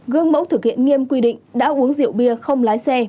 gương mẫu thực hiện nghiêm quy định đã uống rượu bia không lái xe